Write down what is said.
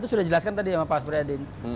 itu sudah dijelaskan tadi sama pak suriadin